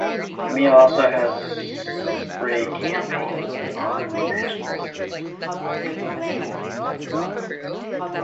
Remo also has great campaigns on the national scene.